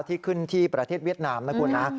ที่ขึ้นที่ประเทศเวียดนามนะคุณนะ